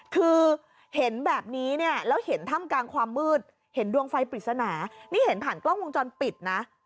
คือเห็นแบบนี้เนี่ยแล้วเห็นถ้ำกลางความมืดเห็นดวงไฟปริศนานี่เห็นผ่านกล้องวงจรปิดนะ